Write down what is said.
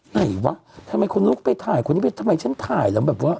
ไหนวะทำไมคนลุกไปถ่ายคนนี้ไปทำไมฉันถ่ายแล้วแบบว่า